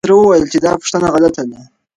تره وويل چې دا پوښتنه غلطه ده.